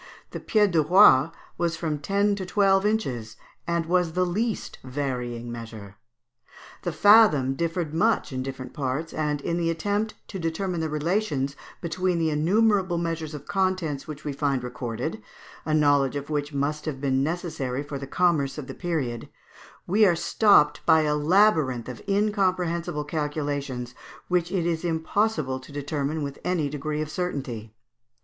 The pied de roi was from ten to twelve inches, and was the least varying measure. The fathom differed much in different parts, and in the attempt to determine the relations between the innumerable measures of contents which we find recorded a knowledge of which must have been necessary for the commerce of the period we are stopped by a labyrinth of incomprehensible calculations, which it is impossible to determine with any degree of certainty.